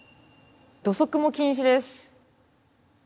土足も禁止です。